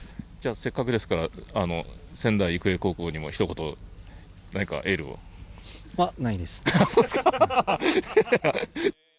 せっかくですから仙台育英高校にもひと言、何かエールを。は、ないです。